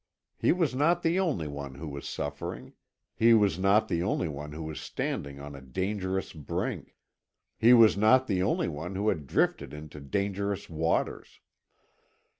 He was not the only one who was suffering he was not the only one who was standing on a dangerous brink he was not the only one who had drifted into dangerous waters.